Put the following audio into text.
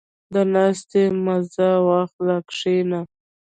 • د ناستې مزه واخله، کښېنه.